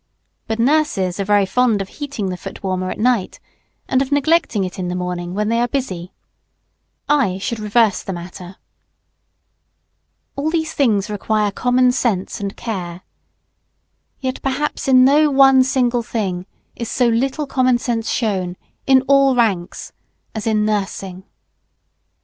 But nurses are very fond of heating the foot warmer at night, and of neglecting it in the morning, when they are busy. I should reverse the matter. All these things require common sense and care. Yet perhaps in no one single thing is so little common sense shown, in all ranks, as in nursing.